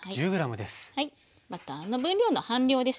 バターの分量の半量ですね